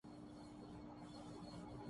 لیکن اس ضمن میں کچھ نہ ہوا